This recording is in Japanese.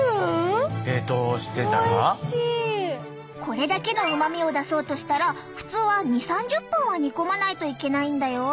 これだけのうまみを出そうとしたら普通は２０３０分は煮込まないといけないんだよ。